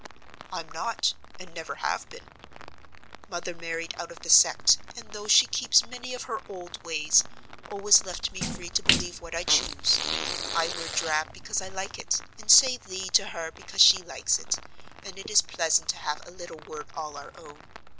"I'm not, and never have been. Mother married out of the sect, and, though she keeps many of her old ways, always left me free to believe what I chose. I wear drab because I like it, and say 'thee' to her because she likes it, and it is pleasant to have a little word all our own.